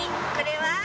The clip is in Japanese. これは？